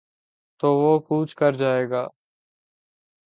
تو وہ کوچ کر جائے گا۔